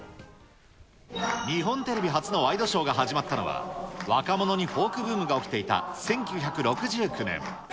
日本テレビ初のワイドショーが始まったのは、若者にフォークブームが起きていた１９６９年。